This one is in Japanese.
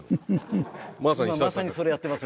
今まさにそれやってます